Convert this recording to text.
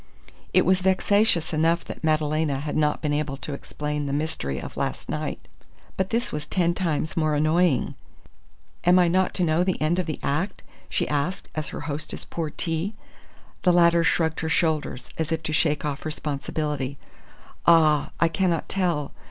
It was vexatious enough that Madalena had not been able to explain the mystery of last night. But this was ten times more annoying. "Am I not to know the end of the act?" she asked as her hostess poured tea. The latter shrugged her shoulders, as if to shake off responsibility. "Ah, I cannot tell!